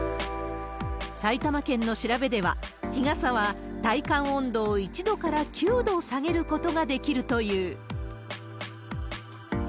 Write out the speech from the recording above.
埼玉県の調べでは、日傘は体感温度を１度から９度下げることができるという。